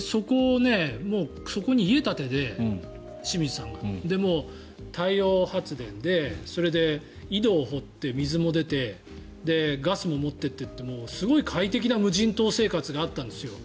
そこに清水さんが家を建てて太陽発電でそれで井戸を掘って水も出てガスも持って行ってっていうすごい快適な無人島生活だったんですよ。